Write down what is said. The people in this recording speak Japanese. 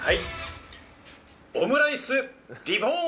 オムライスリボーン！